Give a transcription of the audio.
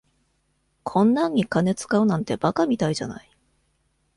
こんなんに金使うなんて馬鹿みたいじゃない。